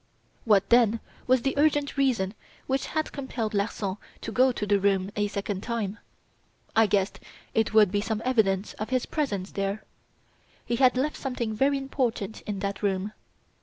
"What, then, was the urgent reason which had compelled Larsan to go to the room a second time? I guessed it to be some evidence of his presence there. He had left something very important in that room.